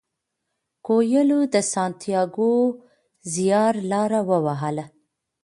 کویلیو د سانتیاګو زیارلاره ووهله.